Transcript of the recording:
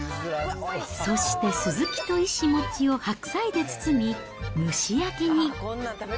そして、スズキとイシモチを白菜で包み、蒸し焼きに。